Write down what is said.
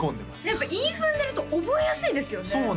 やっぱり韻踏んでると覚えやすいですよね